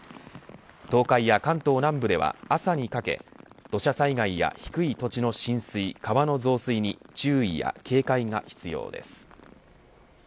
東海や関東南部では朝にかけ土砂災害や低い土地の浸水川の増水に注意や警戒が必要です。